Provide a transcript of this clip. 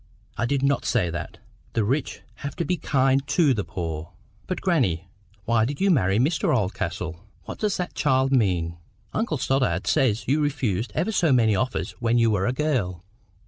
I did not say that. The rich have to be KIND to the poor." "But, grannie, why did you marry Mr Oldcastle?" "What does the child mean?" "Uncle Stoddart says you refused ever so many offers when you were a girl."